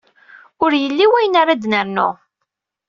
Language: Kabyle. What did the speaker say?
Ur yelli wayen ara d-nernu.